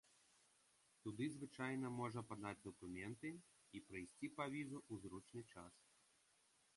Туды звычайна можна падаць дакументы і прыйсці па візу ў зручны час.